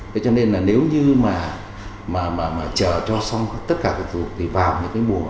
thế cho nên là nếu như mà chờ cho xong tất cả các thủ tục thì vào những cái mùa